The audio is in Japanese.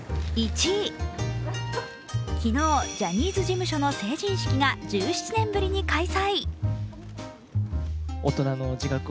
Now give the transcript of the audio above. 昨日、ジャニーズ事務所の成人式が１７年ぶりに開催。